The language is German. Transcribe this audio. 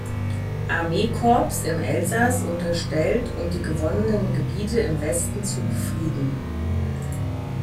Armee-Korps im Elsass unterstellt, um die gewonnenen Gebiete im Westen zu befrieden.